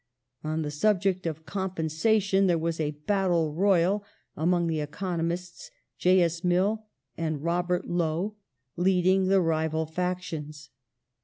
On the subject of compensation there was a battle royal among the economists, J. S. Mill and Robeit Lowe leading the rival factions.